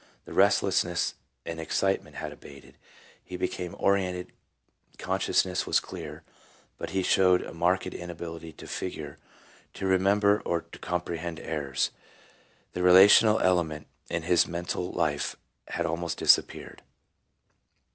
The rest lessness and excitement had abated, he became orientated, consciousness was clear, but he showed a marked inability to figure, to remember or to com prehend errors. The relational element in his mental life had almost disappeared.